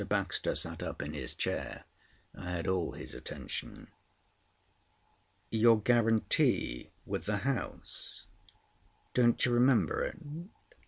Baxter sat up in his chair. I had all his attention. "Your guarantee with the house. Don't you remember it?"